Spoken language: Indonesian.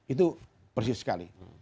itu persis sekali